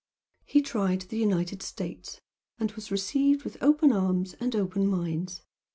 He tried the United States and was received with open arms and open minds.